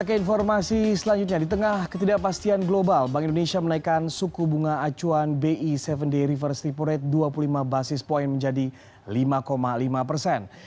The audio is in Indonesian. ke informasi selanjutnya di tengah ketidakpastian global bank indonesia menaikkan suku bunga acuan bi tujuh day reverse repo rate dua puluh lima basis point menjadi lima lima persen